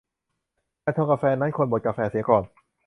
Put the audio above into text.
การชงกาแฟนั้น ควรบดกาแฟเสียก่อน